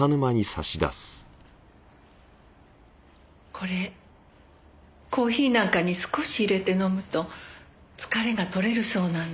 これコーヒーなんかに少し入れて飲むと疲れが取れるそうなの。